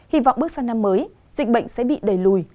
hy vọng bước sang năm mới dịch bệnh sẽ bị đẩy lùi